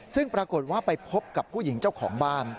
ซึ่งปรากฏว่าไปพบกับผู้หญิงเจ้าของบ้าน